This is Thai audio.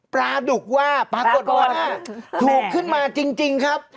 ปลาดุกว่าปรากฏว่าถูกขึ้นมาจริงครับ